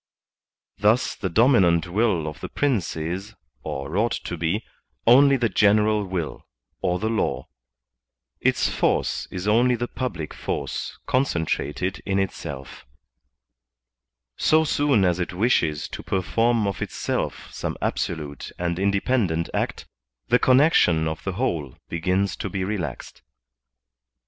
Thus the dom inant will of the Prince is, or ought to be, only the general will, or the law; its force is only the public force concentrated in itself; so soon as it wishes to per form of itself some absolute and independent act, the connection of the whole begins to be relaxed.